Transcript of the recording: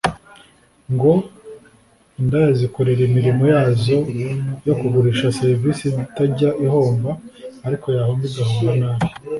ngo indaya zikorera imirimo yazo yo kugurisha serivisi itajya ihomba ariko yahomba igahomba nabi